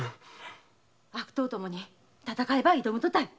悪党どもに戦いば挑むとたい！